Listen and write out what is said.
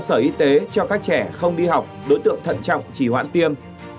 cơ sở y tế cho các trẻ không đi học đối tượng thận trọng chỉ hoãn tiêm